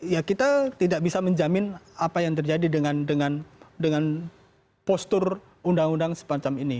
ya kita tidak bisa menjamin apa yang terjadi dengan postur undang undang semacam ini